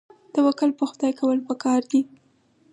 توکل په خدای کول پکار دي